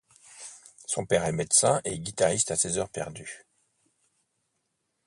Son père est médecin et guitariste à ses heures perdues.